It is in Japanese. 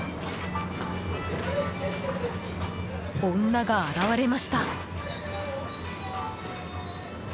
女が現れました。